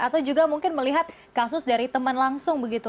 atau juga mungkin melihat kasus dari teman langsung begitu